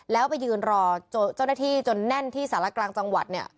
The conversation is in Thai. แล้วไปยืนรอเจ้าหน้าที่จนแน่นที่สารกลางจังหวัดเนี่ย